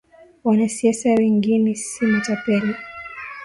Wanasiasa wengine ni matepeli